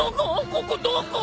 ここどこ！？